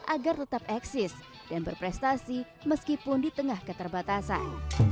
agar tetap eksis dan berprestasi meskipun di tengah keterbatasan